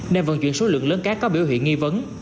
nên vận chuyển số lượng lớn cát có biểu hiện nghi vấn